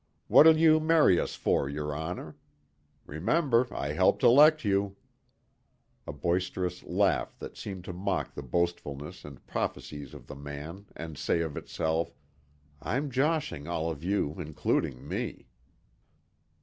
What'll you marry us for, your Honor? Remember I helped elect you." A boisterous laugh that seemed to mock the boastfulness and prophecies of the man and say of itself, "I'm joshing all of you including me...."